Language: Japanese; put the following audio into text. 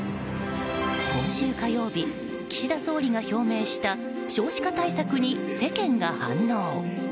今週火曜日、岸田総理が表明した少子化対策に世間が反応。